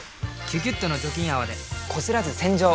「キュキュット」の除菌泡でこすらず洗浄！